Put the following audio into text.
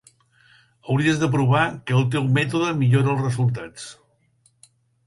Hauries de provar que el teu mètode millora els resultats.